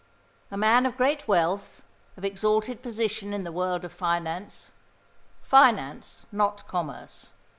A man of great wealth, of exalted position in the world of finance finance, not commerce.